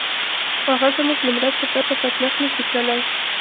خو هغه زموږ له مرستې پرته پر مخ نه شي تللای.